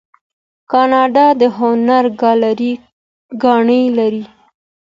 کاناډا د هنر ګالري ګانې لري.